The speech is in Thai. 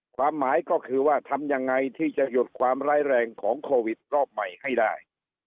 ความหมายก็คือว่าทำยังไงที่จะหยุดความร้ายแรงของโควิดรอบใหม่ให้ได้